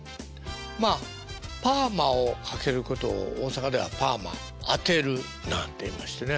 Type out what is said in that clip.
まあパーマをかけることを大阪では「パーマあてる」なんて言いましてね。